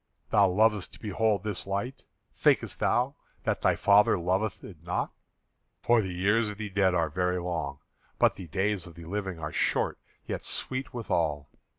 Thou lovest to behold this light. Thinkest thou that thy father loveth it not? For the years of the dead are very long; but the days of the living are short yet sweet withal.